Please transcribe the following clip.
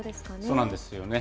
そうなんですよね。